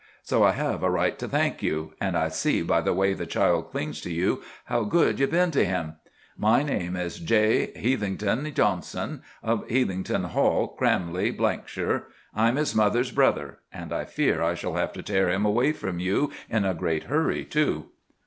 So I have a right to thank you, and I see by the way the child clings to you how good you've been to him. My name is J. Heathington Johnson, of Heathington Hall, Cramley, Blankshire. I'm his mother's brother. And I fear I shall have to tear him away from you in a great hurry, too."